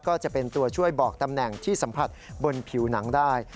ก็จะเป็นตัวช่วยบอกตำแหน่งที่สัมผัสบนผิวหนังได้